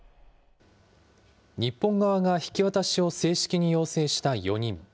日本側が引き渡しを正式に要請した４人。